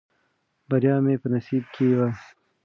بریا مې په نصیب کې وه.